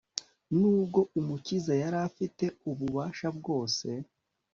nubwo umukiza yari afite ububasha bwose